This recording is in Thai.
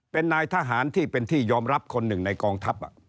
เป็นนายทหารที่เป็นที่ยอมรับคนหนึ่งในกองทัพ